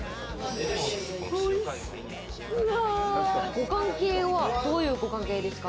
ご関係はどういうご関係ですか？